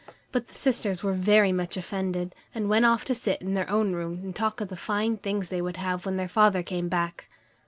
But the sisters were very much offended, and went off to sit in their own room to talk of the fine things they would have when their father came back.